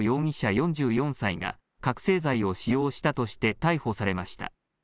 ４４歳が覚醒剤を使用したとして逮捕されました。